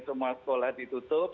semua sekolah ditutup